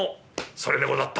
「それでござった！